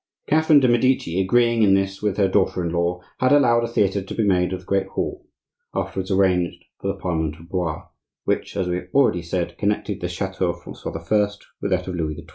Catherine de' Medici, agreeing in this with her daughter in law, had allowed a theatre to be made of the great hall (afterwards arranged for the Parliament of Blois), which, as we have already said, connected the chateau of Francois I. with that of Louis XII.